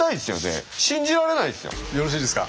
よろしいですか。